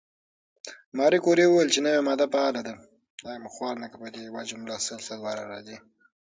ماري کوري وویل چې نوې ماده فعاله ده.